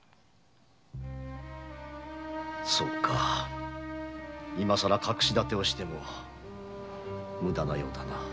そうか今更隠しだてをしても無駄のようだな。